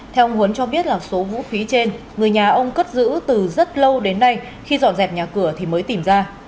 theo ông huấn cho biết là số vũ khí trên người nhà ông cất giữ từ rất lâu đến nay khi dọn dẹp nhà cửa thì mới tìm ra